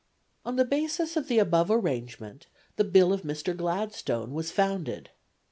On the basis of the above arrangement the Bill of Mr. Gladstone was founded.